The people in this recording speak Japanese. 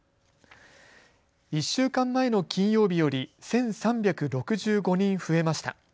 １週間前の金曜日より１３６５人増えました。